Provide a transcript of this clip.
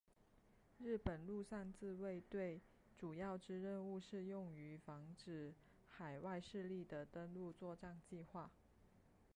日本陆上自卫队主要之任务是用于防止海外势力的登陆作战计划。